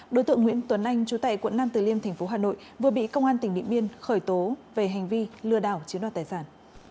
đối tượng nguyễn tuấn anh chú tại quận nam từ liêm tp hà nội vừa bị công an tỉnh điện biên khởi tố về hành vi lừa đảo chiếm đoạt tài sản